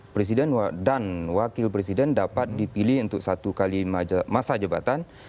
presiden dan wakil presiden dapat dipilih untuk satu kali masa jabatan